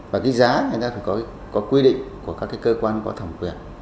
và cái giá người ta phải có quy định của các cái cơ quan có thẩm quyền